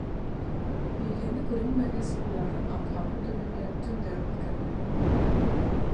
Һөйгәне күренмәгәс, уларҙың ҡапҡаһы төбөндә төндәр үткәрҙе.